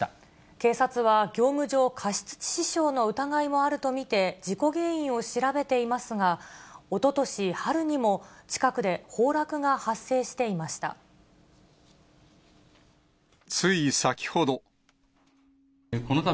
警察は業務上過失致死傷の疑いもあると見て、事故原因を調べていますが、おととし春にも近くで崩落が発生していました。